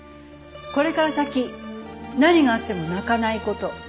これから先何があっても泣かないこと。